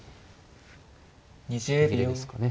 歩切れですかね。